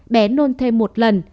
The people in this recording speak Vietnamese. bé nôn thêm một lần